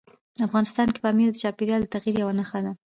افغانستان کې پامیر د چاپېریال د تغیر یوه نښه ده.